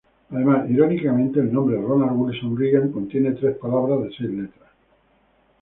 Además, irónicamente, el nombre Ronald Wilson Reagan contiene tres palabras de seis letras.